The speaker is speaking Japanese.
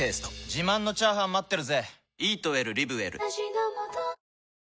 自慢のチャーハン待ってるぜ！